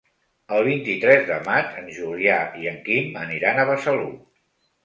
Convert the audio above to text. El vint-i-tres de maig en Julià i en Quim aniran a Besalú.